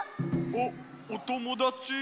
おっおともだち？